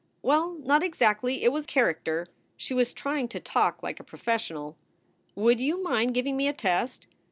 "Well, not exactly. It was character." She was trying to talk like a professional. "Would you mind giving me a test?"